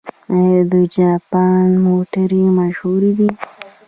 آیا د جاپان موټرې مشهورې دي؟